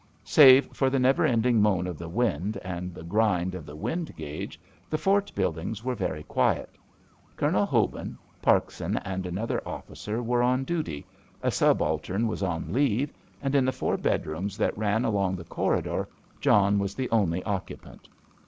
Save for the never ending moan of the wind and the grind of the wind gauge, the fort buildings were very quiet. Colonel Hobin, Parkson, and another officer were on duty, a subaltern was on leave, and in the four bedrooms that ran along the corridor John was the only occupant.